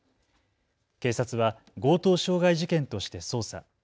警察は強盗傷害事件として捜査。